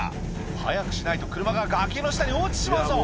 「早くしないと車が崖の下に落ちちまうぞ！」